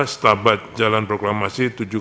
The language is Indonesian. setabat jalan proklamasi